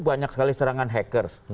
banyak sekali serangan hacker